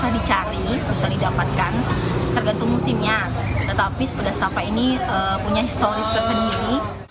tetapi pedas tepah ini punya historis ke sendiri